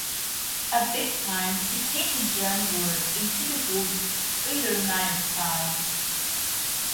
At this time, he painted genre works in typical Biedermeier style.